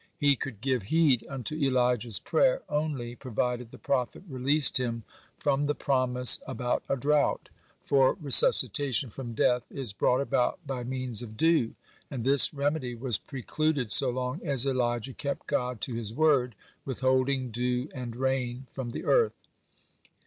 He could give heed unto Elijah's prayer only provided the prophet released Him from the promise about a drought, for resuscitation from death is brought about by means of dew, and this remedy was precluded so long as Elijah kept God to His word withholding dew and rain from the earth.